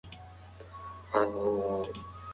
تېر کال ډېر خلک د حج د فریضې ادا کولو ته تللي وو.